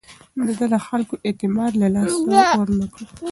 ده د خلکو اعتماد له لاسه ورنه کړ.